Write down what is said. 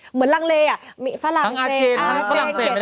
เหมือนลังเลฝรั่งเศสฝรั่งเศส